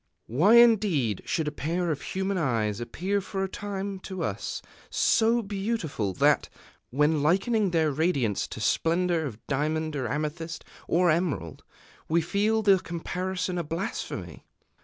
Why indeed should a pair of human eyes appear for a time to us so beautiful that, when likening their radiance to splendor of diamond or amethyst or emerald, we feel the comparison a blasphemy?